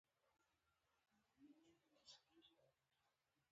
لکه يتيم ناهيلی ناست وو، د تسليت پرې چا ونکړل آوازونه